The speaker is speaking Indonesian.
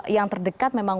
yang terdekat memang